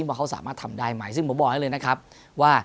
ว่าเขาสามารถทำได้ไหมซึ่งผมบอกให้เลยนะครับว่า